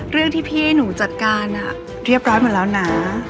เรื่องที่พี่หนูจัดการเรียบร้อยหมดแล้วนะ